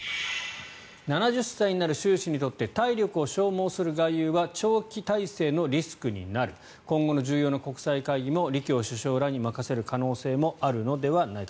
７０歳になる習氏にとって体力を消耗する外遊は長期体制のリスクになる今後の重要な国際会議も李強首相らに任せる可能性もあるのではないか。